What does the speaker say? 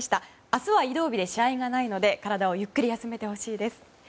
明日は移動日で試合がないので体をゆっくり休めてほしいです。